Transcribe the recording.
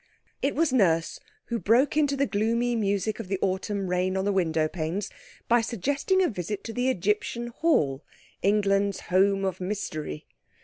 It was Nurse who broke into the gloomy music of the autumn rain on the window panes by suggesting a visit to the Egyptian Hall, England's Home of Mystery.